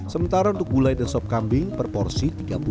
sementara untuk gulai dan sop kambing per porsi tiga puluh